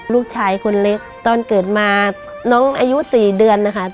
ลูกชายคนเล็กตอนเกิดมาน้องอายุ๔เดือนนะคะ